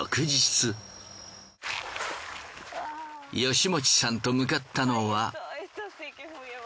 吉用さんと向かったのは。